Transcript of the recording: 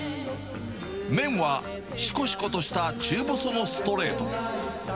麺はしこしことした中細のストレート。